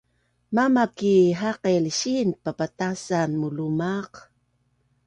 mama ki haqil siin papatasan mulumaq